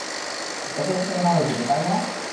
SI এর সাথে কথা হয়েছে তো, তাই না?